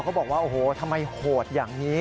เขาบอกว่าโอ้โหทำไมโหดอย่างนี้